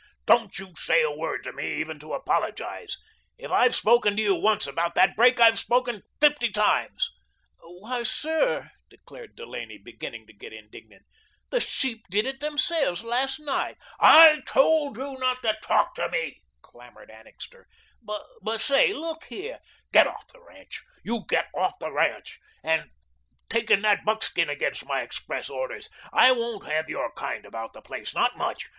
"Don't you say a word to me even to apologise. If I've spoken to you once about that break, I've spoken fifty times." "Why, sir," declared Delaney, beginning to get indignant, "the sheep did it themselves last night." "I told you not to TALK to me," clamoured Annixter. "But, say, look here " "Get off the ranch. You get off the ranch. And taking that buckskin against my express orders. I won't have your kind about the place, not much.